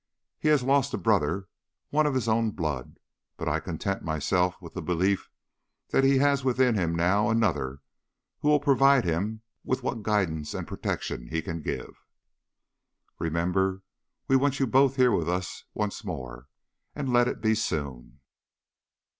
He had lost a brother, one of his own blood, but I content myself with the belief that he has with him now another who will provide him with what guidance and protection he can give. Remember we want you both here with us once more, and let it be soon.